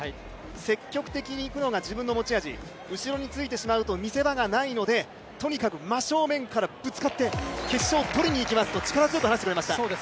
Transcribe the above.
積極的にいくのが自分の持ち味、後に着いてしまうと見せ場がないのでとにかく真正面からぶつかって、決勝をとりにいきますと力強く話してくれました。